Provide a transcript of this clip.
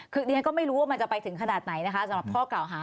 คือเนขก็ไม่รู้ว่ามันจะไปถึงขนาดไหนแหละครับสำหรับหาก่าวหา